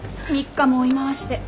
３日も追い回して。